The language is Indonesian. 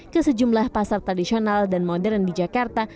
ke sejumlah pasar tradisional dan modern di jakarta